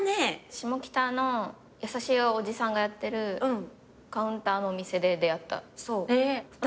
下北の優しいおじさんがやってるカウンターのお店で出会った。